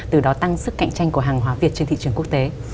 từ đó tăng sức cạnh tranh của hàng hóa việt trên thị trường quốc tế